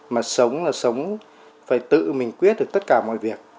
mà sống là sống phải tự mình quyết được tất cả mọi việc